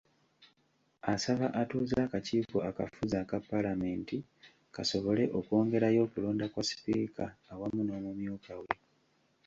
Asaba atuuze akakiiko akafuzi aka Palamenti, kasobole okwongerayo okulonda kwa Sipiika awamu n'omumyuka we.